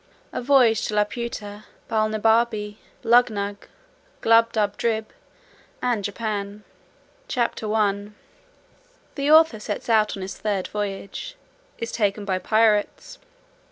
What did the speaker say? A VOYAGE TO LAPUTA, BALNIBARBI, GLUBBDUBDRIB, LUGGNAGG AND JAPAN. CHAPTER I. The author sets out on his third voyage. Is taken by pirates.